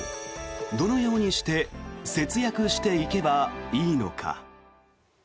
どのようにして節約していけばいいのか。